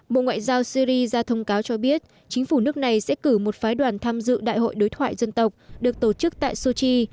bộ ngoại giao syri ra thông cáo cho biết chính phủ nước này sẽ cử một phái đoàn tham dự đại hội đối thoại dân tộc được tổ chức tại sochi